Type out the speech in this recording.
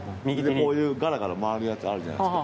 こういうガラガラ回るやつあるじゃないですか